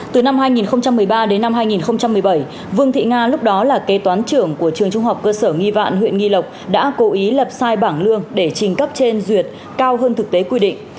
từ năm hai nghìn một mươi ba đến năm hai nghìn một mươi bảy vương thị nga lúc đó là kế toán trưởng của trường trung học cơ sở nghi vạn huyện nghi lộc đã cố ý lập sai bảng lương để trình cấp trên duyệt cao hơn thực tế quy định